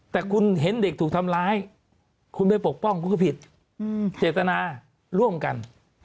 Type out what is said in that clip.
แต่คุณเห็นเด็กถูกทำร้ายคุณไปปกป้องคุณก็ผิดเจตนาร่วมกัน